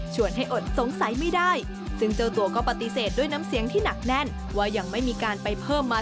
ชวนให้อดสงสัยไม่ได้